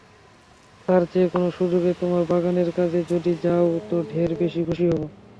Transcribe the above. তার চেয়ে কোনো সুযোগে তোমার বাগানের কাজে যদি যাও তো ঢের বেশি খুশি হব।